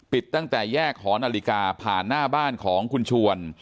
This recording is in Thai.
ตั้งแต่แยกหอนาฬิกาผ่านหน้าบ้านของคุณชวน